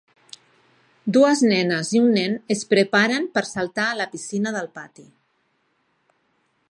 Dues nenes i un nen es preparen per saltar a la piscina del pati.